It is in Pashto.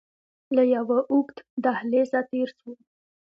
له يوه اوږد دهليزه تېر سو.